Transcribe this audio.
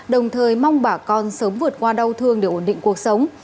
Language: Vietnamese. đồng thời mong bà con sớm vượt qua đau thương để ổn định cuộc sống